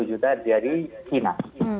sepuluh juta dari china